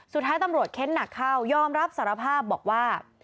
สุดท้ายตำรวจเค้นหนักเข้ายอมรับสารภาพบอกว่า